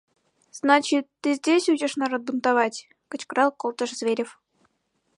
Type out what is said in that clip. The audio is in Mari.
— Значит, ты здесь учишь народ бунтовать? — кычкырал колтыш Зверев.